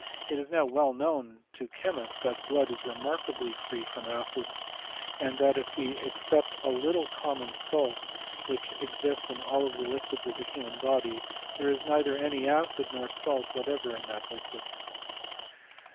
It is now well known to chemists, that blood is remarkably free from acids; and, that if we except a little common salt, which ex ists in all the liquids of the human body, there is nei ther any acid nor salt whatever in that liquid.